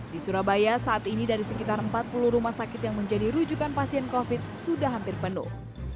di surabaya saat ini dari sekitar empat puluh rumah sakit yang menjadi rujukan pasien covid sudah hampir penuh